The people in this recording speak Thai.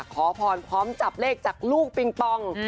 ขอพรพร้อมจับเลขจากลูกปิงปอง